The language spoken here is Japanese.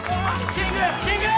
・キングキング！